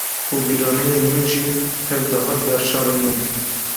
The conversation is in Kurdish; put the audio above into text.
û bîranînên min jî tev dihat ber çavên min